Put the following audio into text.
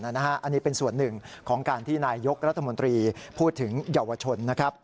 อันนี้เป็นส่วนหนึ่งของการที่นายยกรัฐมนตรีพูดถึงเยาวชนนะครับ